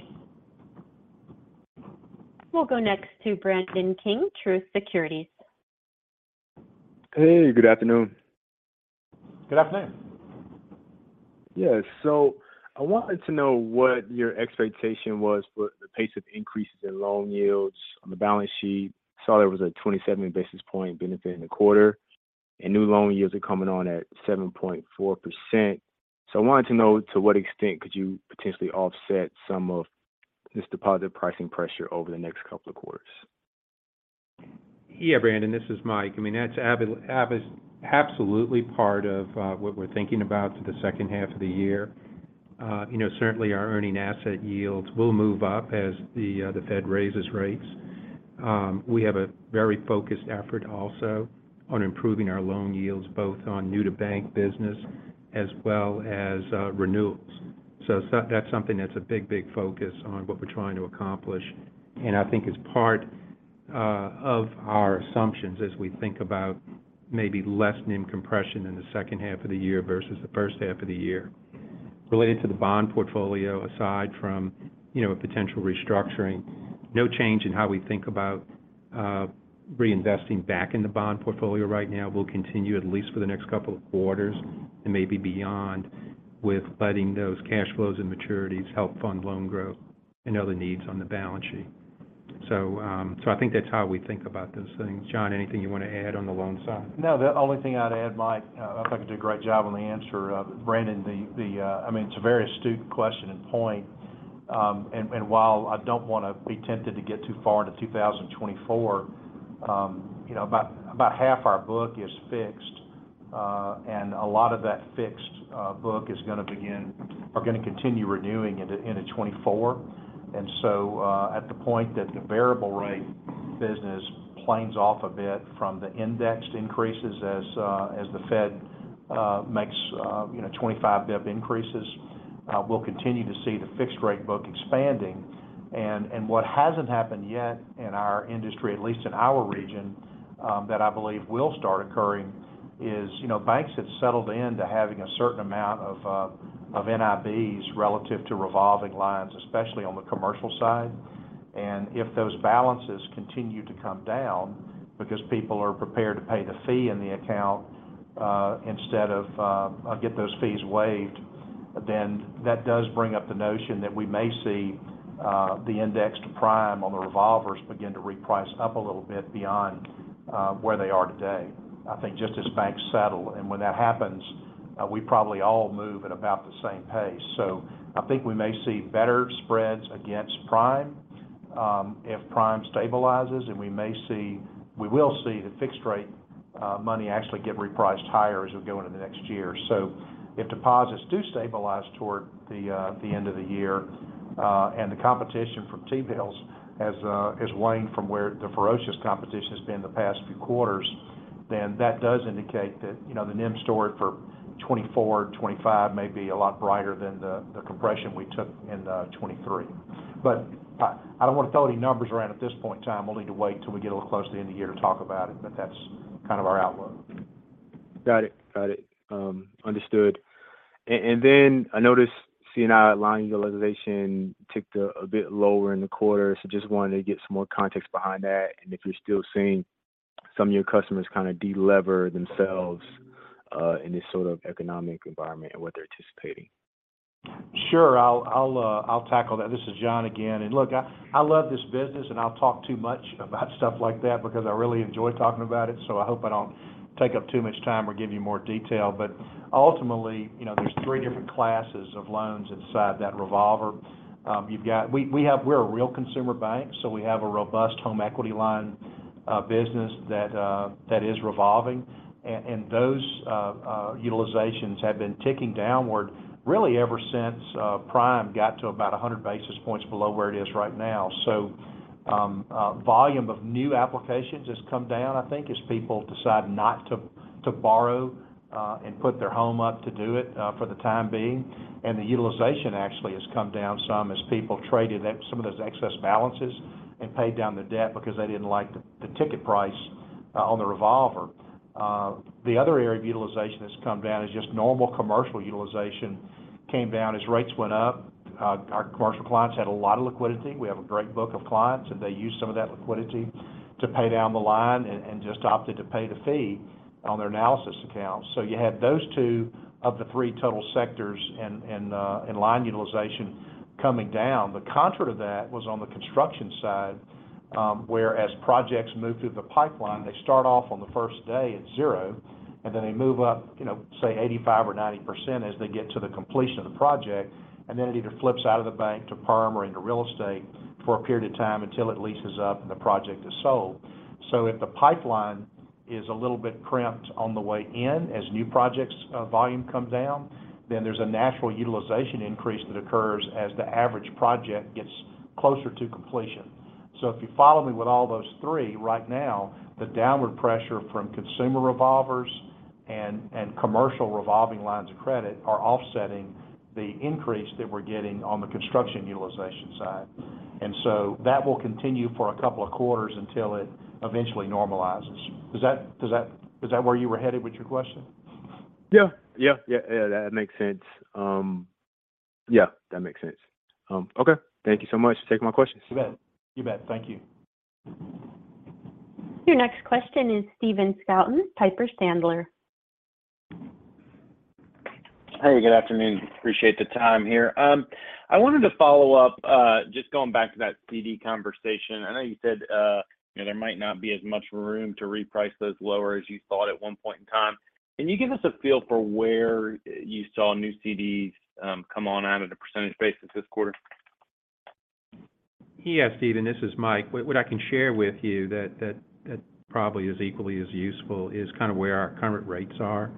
We'll go next to Brandon King, Truist Securities. Hey, good afternoon. Good afternoon. I wanted to know what your expectation was for the pace of increases in loan yields on the balance sheet. I saw there was a 27 basis point benefit in the quarter, and new loan yields are coming on at 7.4%. I wanted to know to what extent could you potentially offset some of this deposit pricing pressure over the next couple of quarters? Yeah, Brandon, this is Mike. I mean, that's absolutely part of what we're thinking about for the second half of the year. You know, certainly our earning asset yields will move up as the Fed raises rates. We have a very focused effort also on improving our loan yields, both on new to bank business as well as renewals. That's something that's a big, big focus on what we're trying to accomplish, and I think is part of our assumptions as we think about maybe lessening compression in the second half of the year versus the first half of the year. Related to the bond portfolio, aside from, you know, a potential restructuring, no change in how we think about reinvesting back in the bond portfolio right now. We'll continue, at least for the next couple of quarters and maybe beyond, with letting those cash flows and maturities help fund loan growth and other needs on the balance sheet. I think that's how we think about those things. John, anything you want to add on the loan side? No, the only thing I'd add, Mike, I think you did a great job on the answer. Brandon, the, I mean, it's a very astute question and point, and while I don't wanna be tempted to get too far into 2024, you know, about half our book is fixed, and a lot of that fixed book is gonna continue renewing into 2024. At the point that the variable rate business planes off a bit from the indexed increases as the Fed makes, you know, 25 basis point increases, we'll continue to see the fixed rate book expanding. What hasn't happened yet in our industry, at least in our region, that I believe will start occurring is, you know, banks have settled in to having a certain amount of NIBs relative to revolving lines, especially on the commercial side. If those balances continue to come down because people are prepared to pay the fee in the account, instead of get those fees waived, then that does bring up the notion that we may see the index to prime on the revolvers begin to reprice up a little bit beyond where they are today, I think just as banks settle. When that happens, we probably all move at about the same pace. I think we may see better spreads against Prime, if Prime stabilizes, and we will see the fixed rate money actually get repriced higher as we go into the next year. If deposits do stabilize toward the end of the year, and the competition from T-bills has waned from where the ferocious competition has been in the past few quarters, then that does indicate that, you know, the NIM story for 2024, 2025 may be a lot brighter than the compression we took in 2023. I don't wanna throw any numbers around at this point in time. We'll need to wait till we get a little closer to the end of the year to talk about it, but that's kind of our outlook. Got it. Got it. Understood. Then I noticed C&I line utilization ticked a bit lower in the quarter, just wanted to get some more context behind that, and if you're still seeing some of your customers kind of de-lever themselves in this sort of economic environment and what they're anticipating. I'll tackle that. This is John again. Look, I love this business. I'll talk too much about stuff like that because I really enjoy talking about it. I hope I don't take up too much time or give you more detail. Ultimately, you know, there's three different classes of loans inside that revolver. You've got we're a real consumer bank. We have a robust home equity line business that is revolving. Those utilizations have been ticking downward really ever since Prime got to about 100 basis points below where it is right now. Volume of new applications has come down, I think, as people decide not to borrow and put their home up to do it for the time being. The utilization actually has come down some as people traded it, some of those excess balances, and paid down the debt because they didn't like the ticket price on the revolver. The other area of utilization that's come down is just normal commercial utilization came down as rates went up. Our commercial clients had a lot of liquidity. We have a great book of clients, and they used some of that liquidity to pay down the line and just opted to pay the fee on their analysis account. You had those two of the three total sectors in line utilization coming down. The contrary to that was on the construction side, where as projects move through the pipeline, they start off on the first day at zero, and then they move up, you know, say 85% or 90% as they get to the completion of the project. Then it either flips out of the bank to perm or into real estate for a period of time until it leases up and the project is sold. If the pipeline is a little bit crimped on the way in as new projects, volume come down, then there's a natural utilization increase that occurs as the average project gets closer to completion. If you follow me with all those three, right now, the downward pressure from consumer revolvers and commercial revolving lines of credit are offsetting the increase that we're getting on the construction utilization side. That will continue for a couple of quarters until it eventually normalizes. Is that where you were headed with your question? Yeah, yeah, that makes sense. Yeah, that makes sense. Okay. Thank you so much for taking my questions. You bet. You bet. Thank you. Your next question is Stephen Scouten, Piper Sandler. Hey, good afternoon. Appreciate the time here. I wanted to follow up, just going back to that CD conversation. I know you said, you know, there might not be as much room to reprice those lower as you thought at one point in time. Can you give us a feel for where you saw new CDs come on out at a percentage basis this quarter? Yeah, Steven, this is Mike. What I can share with you that probably is equally as useful is kind of where our current rates are.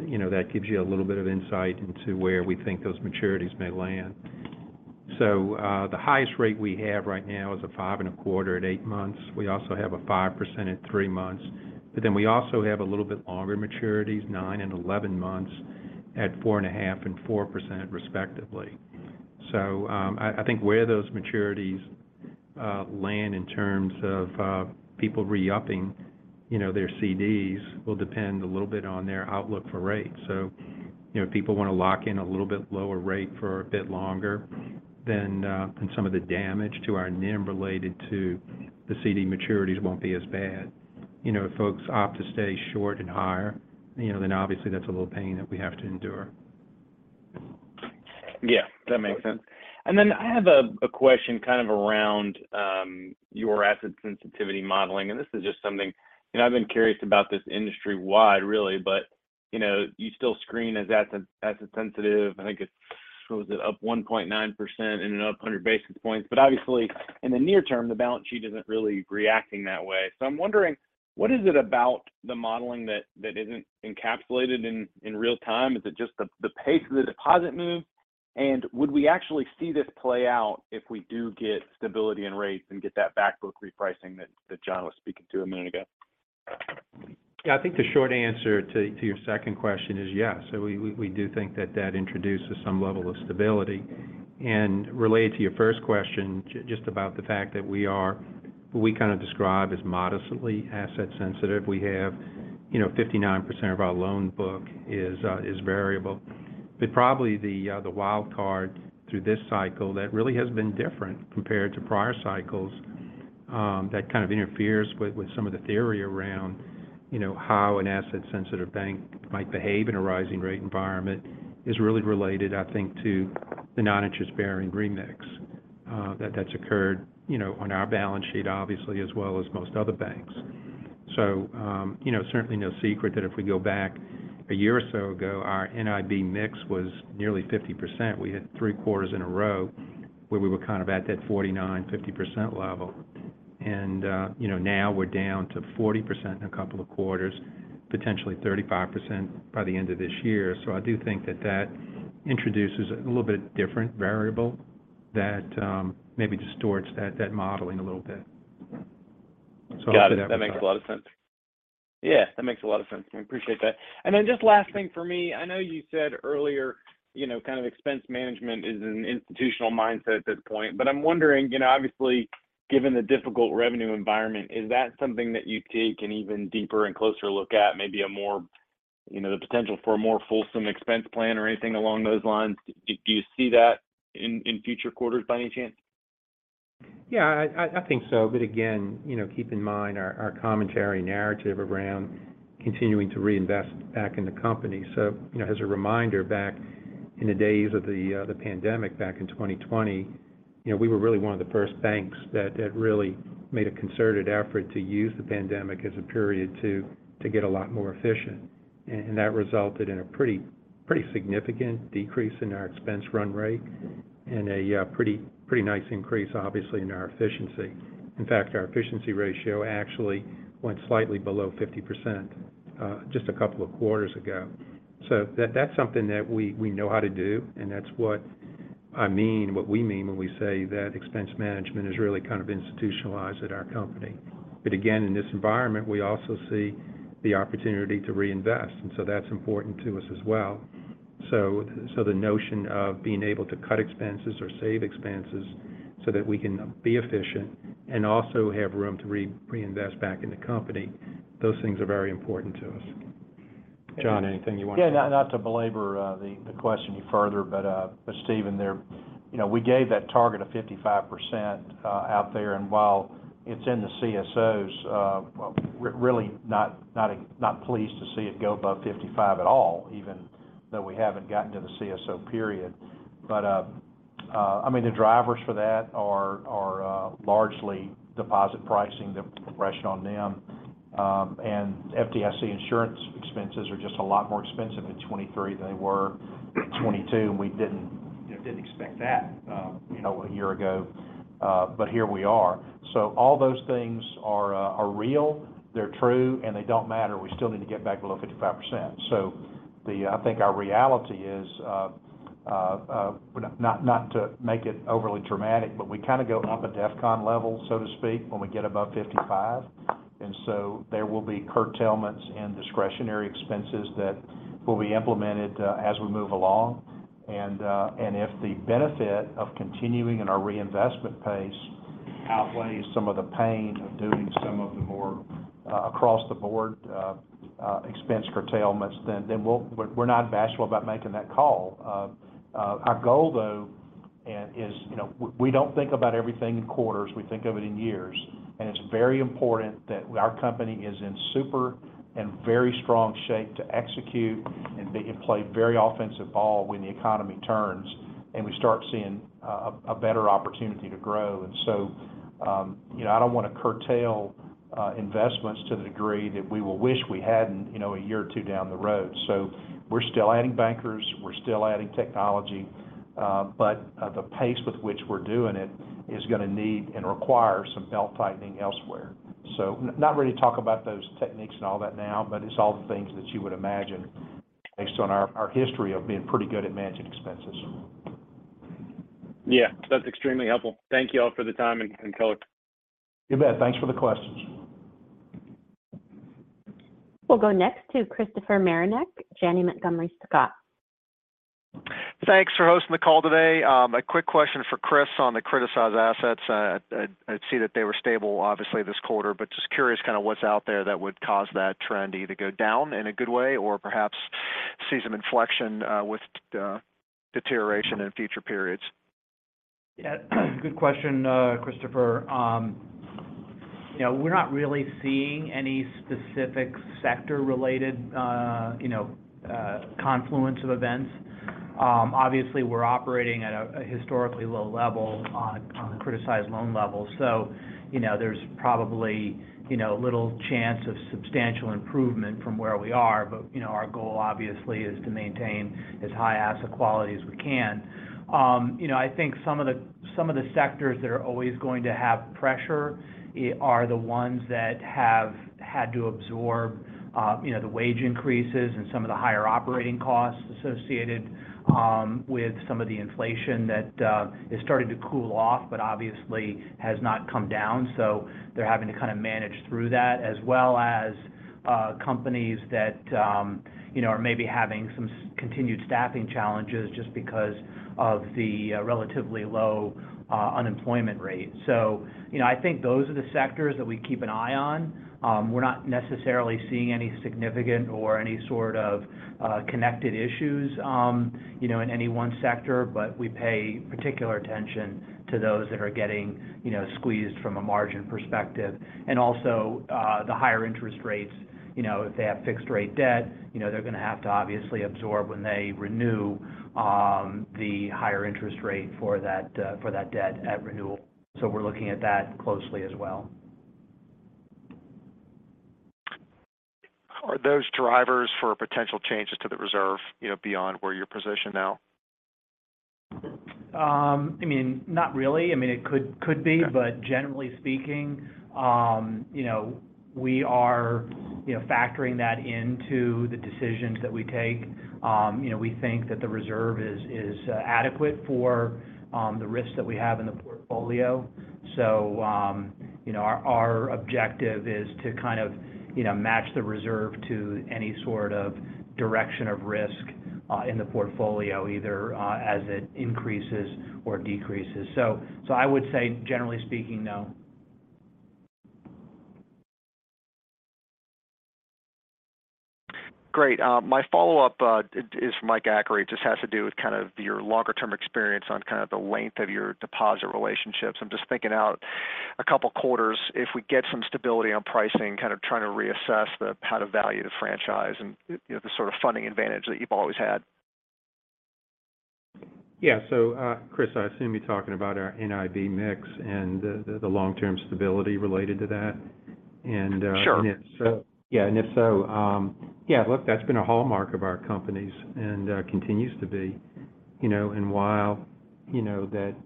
you know, that gives you a little bit of insight into where we think those maturities may land. The highest rate we have right now is a 5.25% at eight months. We also have a 5% at three months, we also have a little bit longer maturities, nine and 11 months, at 4.5% and 4%, respectively. I think where those maturities land in terms of people re-upping, you know, their CDs will depend a little bit on their outlook for rates. You know, if people want to lock in a little bit lower rate for a bit longer, then some of the damage to our NIM related to the CD maturities won't be as bad. You know, if folks opt to stay short and higher, you know, then obviously that's a little pain that we have to endure. Yeah, that makes sense. Then I have a question kind of around your asset sensitivity modeling, and this is just something, you know, I've been curious about this industry-wide really, but, you know, you still screen as asset sensitive. I think it's, what was it? Up 1.9% and up 100 basis points. Obviously, in the near term, the balance sheet isn't really reacting that way. I'm wondering, what is it about the modeling that isn't encapsulated in real time? Is it just the pace of the deposit move? Would we actually see this play out if we do get stability in rates and get that back book repricing that John was speaking to a minute ago? Yeah, I think the short answer to your second question is yes. We do think that that introduces some level of stability. Related to your first question, just about the fact that we kind of describe as modestly asset sensitive. We have, you know, 59% of our loan book is variable. Probably the wild card through this cycle that really has been different compared to prior cycles, that kind of interferes with some of the theory around, you know, how an asset-sensitive bank might behave in a rising rate environment, is really related, I think, to the non-interest-bearing remix that's occurred, you know, on our balance sheet, obviously, as well as most other banks. You know, certainly no secret that if we go back a year or so ago, our NIB mix was nearly 50%. We had three quarters in a row, where we were kind of at that 49%, 50% level. You know, now we're down to 40% in a couple of quarters, potentially 35% by the end of this year. I do think that that introduces a little bit different variable that maybe distorts that modeling a little bit. Got it. That makes a lot of sense. Yeah, that makes a lot of sense. I appreciate that. Just last thing for me, I know you said earlier, you know, kind of expense management is an institutional mindset at this point. I'm wondering, you know, obviously, given the difficult revenue environment, is that something that you take an even deeper and closer look at, maybe a more, you know, the potential for a more fulsome expense plan or anything along those lines? Do you see that in future quarters, by any chance? I think so. Again, you know, keep in mind our commentary narrative around continuing to reinvest back in the company. You know, as a reminder, back in the days of the pandemic, back in 2020, you know, we were really one of the first banks that really made a concerted effort to use the pandemic as a period to get a lot more efficient. That resulted in a pretty significant decrease in our expense run rate and a pretty nice increase, obviously, in our efficiency. In fact, our efficiency ratio actually went slightly below 50% just a couple of quarters ago. That's something that we know how to do, and that's what I mean, what we mean when we say that expense management is really kind of institutionalized at our company. Again, in this environment, we also see the opportunity to reinvest, that's important to us as well. The notion of being able to cut expenses or save expenses so that we can be efficient and also have room to reinvest back in the company, those things are very important to us. John, anything you want to- Yeah, not to belabor the question you further, but Steven, there, you know, we gave that target of 55% out there, and while it's in the efficiency ratio goals, we're really not pleased to see it go above 55% at all, even though we haven't gotten to the CSO period. I mean, the drivers for that are largely deposit pricing, the compression on NIM. FDIC insurance expenses are just a lot more expensive in 2023 than they were in 2022, and we didn't, you know, didn't expect that, you know, a year ago, but here we are. All those things are real, they're true, and they don't matter. We still need to get back below 55%. The I think our reality is not to make it overly dramatic, but we kind of go up a DEFCON level, so to speak, when we get above 55%. There will be curtailments and discretionary expenses that will be implemented as we move along. If the benefit of continuing in our reinvestment pace outweighs some of the pain of doing some of the more across-the-board expense curtailments, then we're not bashful about making that call. Our goal, though, is, you know, we don't think about everything in quarters, we think of it in years. It's very important that our company is in super and very strong shape to execute and play very offensive ball when the economy turns and we start seeing a better opportunity to grow. You know, I don't want to curtail investments to the degree that we will wish we hadn't, you know, a year or two down the road. We're still adding bankers, we're still adding technology, but the pace with which we're doing it is going to need and require some belt-tightening elsewhere. Not ready to talk about those techniques and all that now, but it's all the things that you would imagine based on our history of being pretty good at managing expenses. Yeah, that's extremely helpful. Thank you all for the time and color. You bet. Thanks for the questions. We'll go next to Christopher Marinac, Janney Montgomery Scott. Thanks for hosting the call today. A quick question for Chris on the criticized assets. I see that they were stable, obviously, this quarter, but just curious kind of what's out there that would cause that trend to either go down in a good way, or perhaps see some inflection, with deterioration in future periods? Good question, Christopher. You know, we're not really seeing any specific sector-related, you know, confluence of events. Obviously, we're operating at a historically low level on the criticized loan level, so, you know, there's probably, you know, little chance of substantial improvement from where we are. You know, our goal, obviously, is to maintain as high asset quality as we can. You know, I think some of the sectors that are always going to have pressure are the ones that have had to absorb, you know, the wage increases and some of the higher operating costs associated with some of the inflation that is starting to cool off, but obviously has not come down. They're having to kind of manage through that, as well as companies that, you know, are maybe having some continued staffing challenges just because of the relatively low unemployment rate. You know, I think those are the sectors that we keep an eye on. We're not necessarily seeing any significant or any sort of connected issues, you know, in any one sector, but we pay particular attention to those that are getting, you know, squeezed from a margin perspective. Also, the higher interest rates. You know, if they have fixed rate debt, you know, they're gonna have to obviously absorb when they renew, the higher interest rate for that, for that debt at renewal. We're looking at that closely as well. Are those drivers for potential changes to the reserve, you know, beyond where you're positioned now? I mean, not really. I mean, it could be- Okay Generally speaking, you know, we are, you know, factoring that into the decisions that we take. You know, we think that the reserve is adequate for the risks that we have in the portfolio. Our objective is to kind of, you know, match the reserve to any sort of direction of risk in the portfolio, either as it increases or decreases. I would say, generally speaking, no. Great. My follow-up is for Mike Achary. It just has to do with kind of your longer-term experience on kind of the length of your deposit relationships. I'm just thinking out a couple quarters, if we get some stability on pricing, kind of trying to reassess how to value the franchise and, you know, the sort of funding advantage that you've always had. Yeah. Chris, I assume you're talking about our NIB mix and the long-term stability related to that? Sure Yeah, if so, yeah, look, that's been a hallmark of our companies and continues to be. You know, while, you know, that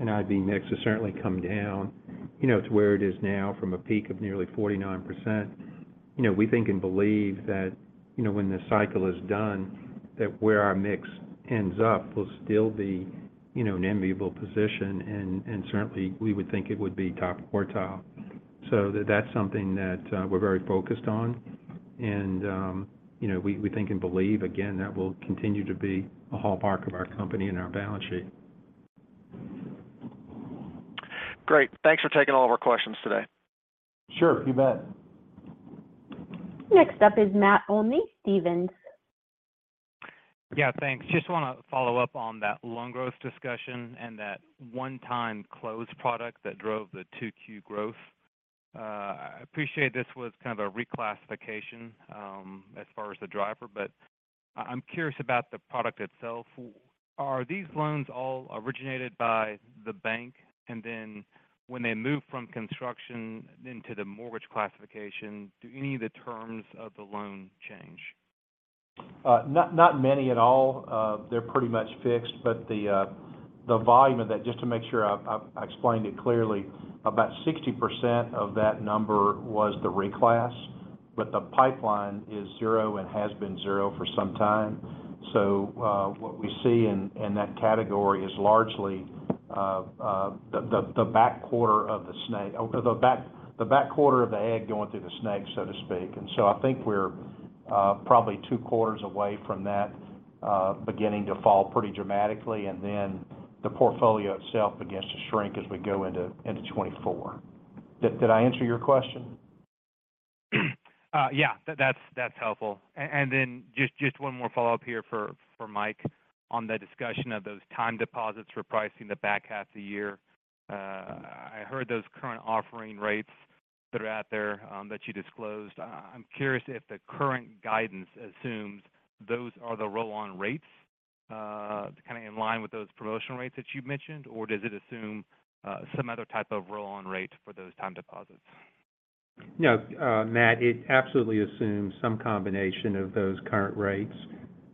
NIB mix has certainly come down, you know, to where it is now from a peak of nearly 49%, you know, we think and believe that, you know, when the cycle is done, that where our mix ends up will still be, you know, an enviable position. Certainly, we would think it would be top quartile. That's something that we're very focused on. We think and believe, again, that will continue to be a hallmark of our company and our balance sheet. Great. Thanks for taking all of our questions today. Sure, you bet. Next up is Matthew Olney, Stephens, Inc. Yeah, thanks. Just wanna follow up on that loan growth discussion and that one-time closed product that drove the Q2 growth. I appreciate this was kind of a reclassification, as far as the driver, but I'm curious about the product itself. Are these loans all originated by the bank? And then, when they move from construction into the mortgage classification, do any of the terms of the loan change? Not many at all. They're pretty much fixed, but the volume of that, just to make sure I explained it clearly, about 60% of that number was the reclass, but the pipeline is zero and has been zero for some time. What we see in that category is largely the back quarter of the snake-- or the back quarter of the egg going through the snake, so to speak. I think we're probably two quarters away from that beginning to fall pretty dramatically, and then the portfolio itself begins to shrink as we go into 2024. Did I answer your question? Yeah, that's helpful. Just one more follow-up here for Mike on the discussion of those time deposits repricing the back half of the year. I heard those current offering rates that are out there, that you disclosed. I'm curious if the current guidance assumes those are the roll-on rates, kind of in line with those promotional rates that you mentioned, or does it assume some other type of roll-on rate for those time deposits? No, Matt, it absolutely assumes some combination of those current rates,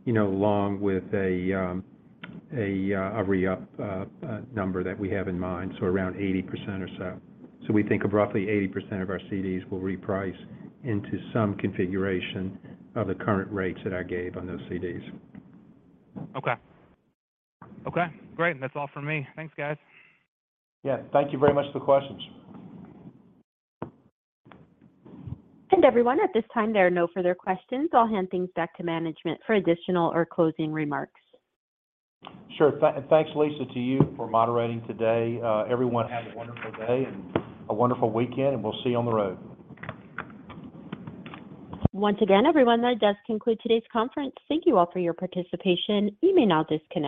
you know, along with a re-up number that we have in mind, so around 80% or so. We think of roughly 80% of our CDs will reprice into some configuration of the current rates that I gave on those CDs. Okay. Okay, great. That's all for me. Thanks, guys. Thank you very much for the questions. Everyone, at this time, there are no further questions. I'll hand things back to management for additional or closing remarks. Sure. Thanks, Lisa, to you for moderating today. Everyone, have a wonderful day and a wonderful weekend, we'll see you on the road. Once again, everyone, that does conclude today's conference. Thank you all for your participation. You may now disconnect.